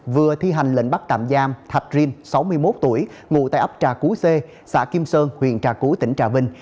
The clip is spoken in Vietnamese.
vừa thi hành lệnh bắt tạm giam thạch rin sáu mươi một tuổi ngụ tại ấp trà cú c xã kim sơn huyện trà cú tỉnh trà vinh